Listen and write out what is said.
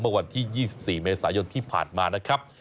วันที่๒๔เมษายนที่ผ่านมานะครับ